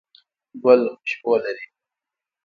ګل خوشبو لري